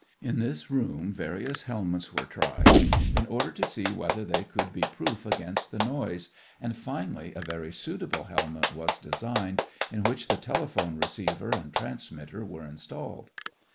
In this room, various helmets were tried in order to see whether they would be proof against the noise, and finally a very suitable helmet was designed, in which the telephone receiver and transmitter were installed.